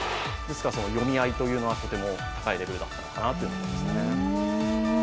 読み合いというのは、とても深いレベルだったのかなと思います。